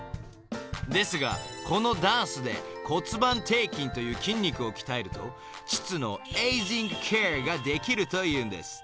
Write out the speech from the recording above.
［ですがこのダンスで骨盤底筋という筋肉を鍛えると膣のエイジングケアができるというんです］